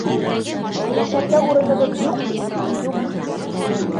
Йәшәргә урыныбыҙ юҡ бит, юҡ...